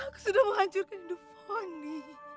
aku sudah menghancurkan duvoni